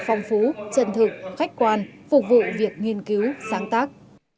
phong phú chân thực khách quan phục vụ việc nghiên cứu sáng tác